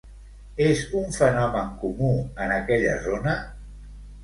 És un fenomen comú en aquella zona?